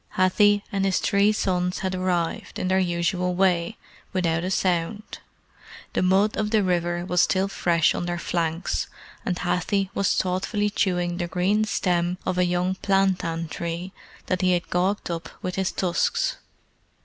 Hathi and his three sons had arrived, in their usual way, without a sound. The mud of the river was still fresh on their flanks, and Hathi was thoughtfully chewing the green stem of a young plantain tree that he had gouged up with his tusks.